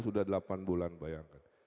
sudah delapan bulan bayangkan